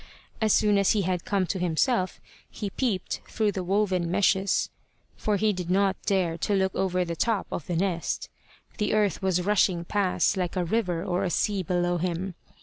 As soon as he had come to himself, he peeped through the woven meshes, for he did not dare to look over the top of the nest. The earth was rushing past like a river or a sea below him.